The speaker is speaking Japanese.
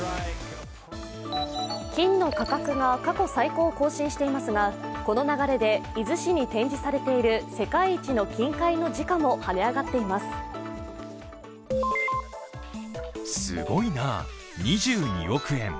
金の価格が過去最高を更新していますがこの流れで伊豆市に展示されている世界一の金塊の時価もはね上がっています。